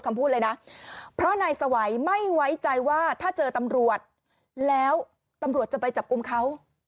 คำพูดเลยนะเพราะนายสวัยไม่ไว้ใจว่าถ้าเจอตำรวจแล้วตำรวจจะไปจับกลุ่มเขา